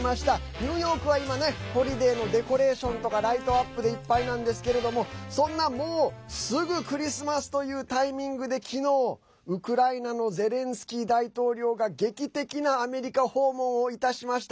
ニューヨークは今ねホリデーのデコレーションとかライトアップでいっぱいなんですけれどもそんな、もうすぐクリスマスというタイミングで昨日、ウクライナのゼレンスキー大統領が劇的なアメリカ訪問をいたしました。